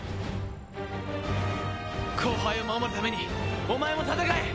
後輩を守るためにお前も戦え！